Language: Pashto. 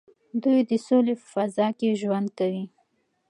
دوی د سولې په فضا کې ژوند کوي.